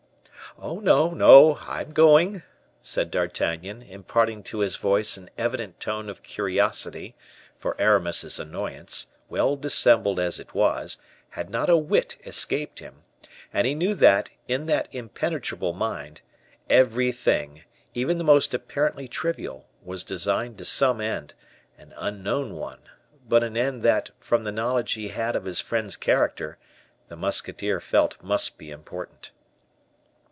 "Oh, no, no! I am going," said D'Artagnan, imparting to his voice an evident tone of curiosity; for Aramis's annoyance, well dissembled as it was, had not a whit escaped him; and he knew that, in that impenetrable mind, every thing, even the most apparently trivial, was designed to some end; an unknown one, but an end that, from the knowledge he had of his friend's character, the musketeer felt must be important.